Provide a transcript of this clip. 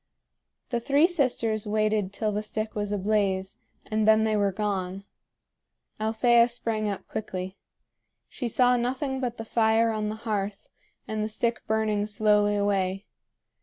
The three sisters waited till the stick was ablaze, and then they were gone. Althea sprang up quickly. She saw nothing but the fire on the hearth and the stick burning slowly away.